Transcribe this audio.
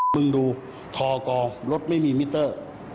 มึงดูทอกรรถไม่มีมิเตอร์